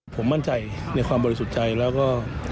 ผมมั่นใจในความบริสุทธิ์ใจแล้วก็